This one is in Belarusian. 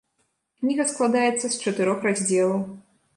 Кніга складаецца з чатырох раздзелаў.